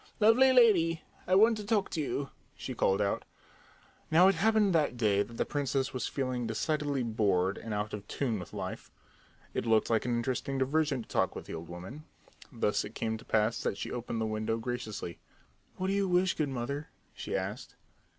"Lovely lady, I want to talk to you!" she called out. Now it happened that day that the princess was feeling decidedly bored and out of tune with life. It looked like an interesting diversion to talk with the old woman. Thus it came to pass that she opened the window graciously. "What do you wish, good mother?" she asked.